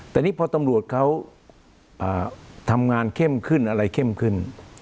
แต่นี่พอตำรวจเขาทำงานเข้มขึ้นอะไรเข้มขึ้น